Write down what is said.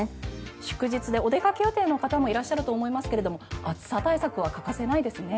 祝日でお出かけ予定の方もいらっしゃると思いますが暑さ対策は欠かせないですね。